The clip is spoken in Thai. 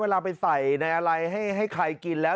เวลาไปใส่ในอะไรให้ใครกินแล้ว